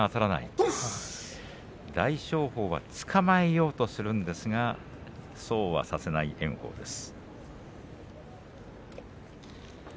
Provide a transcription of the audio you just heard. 大翔鵬はつかまえようとするんですがそうはさせない炎鵬です。